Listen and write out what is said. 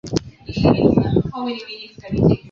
Kwake Yesu nasimama.